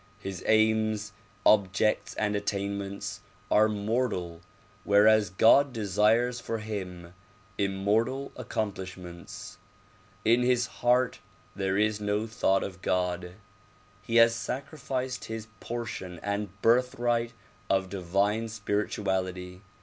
His aims, objects and attainments are mortal whereas God desires for him immortal accomplishments. In his heart there is no thought of God. He has sacrificed his portion and birthright of divine spirituality.